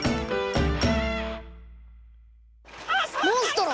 モンストロ